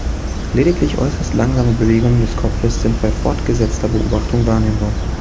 Lediglich äußerst langsame Bewegungen des Kopfes sind bei fortgesetzter Beobachtung wahrnehmbar.